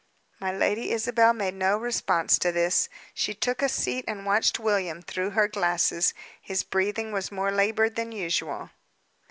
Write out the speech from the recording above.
My Lady Isabel made no response to this. She took a seat and watched William through her glasses. His breathing was more labored than usual.